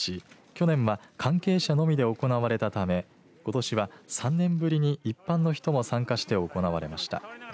去年は関係者のみで行われたためことしは３年ぶりに一般の人も参加して行われました。